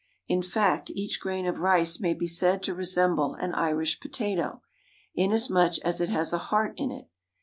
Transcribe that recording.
In fact, each grain of rice may be said to resemble an Irish potato, inasmuch as it has a heart in it.